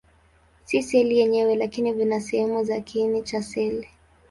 Si seli yenyewe, lakini vina sehemu za kiini cha seli.